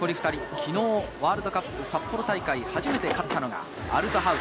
昨日、ワールドカップ札幌大会、初めて勝ったのがアルトハウス。